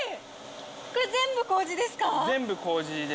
これ、全部こうじですか？